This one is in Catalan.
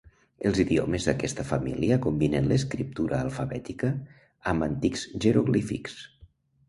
Els idiomes d'aquesta família combinen l'escriptura alfabètica amb antics jeroglífics.